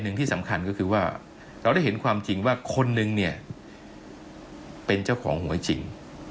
ที่สำคัญก็คือว่าเราได้เห็นความจริงว่าคนนึงเนี่ยเป็นเจ้าของหวยจริง